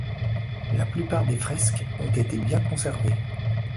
La plupart des fresques ont été bien conservées.